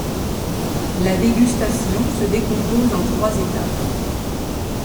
La dégustation se décompose en trois étapes.